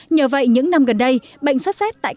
nhờ vậy những năm gần đây bệnh xuất xét